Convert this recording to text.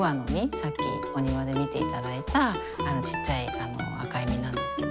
さっきお庭で見て頂いたあのちっちゃい赤い実なんですけど。